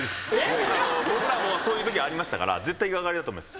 僕らもそういうときありましたから絶対言い掛かりだと思います。